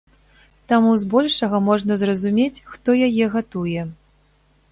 Таму збольшага можна зразумець, хто яе гатуе.